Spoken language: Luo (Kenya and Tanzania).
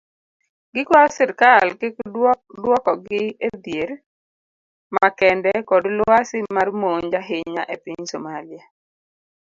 Gikwayo sirkal kik duokogi edhier makende kod lwasi mar monj ahinya epiny somalia.